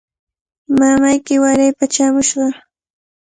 Mamayki waraypa chaamushqa.